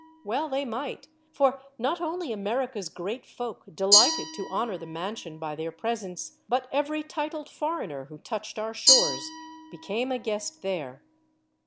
MADAME JUMEL 101 Well they might; for not only America's great folk delighted to honor the mansion by their presence, but every titled foreigner who touched our shores became a guest there.